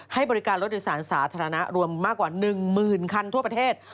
ให้บริการรถโดยสารสาธารณะรวมมากกว่า๑หมื่นคันทั่วประเทศ